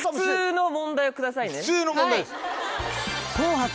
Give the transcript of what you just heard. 普通の問題です。